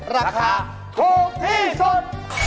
ราคาถูกที่สุด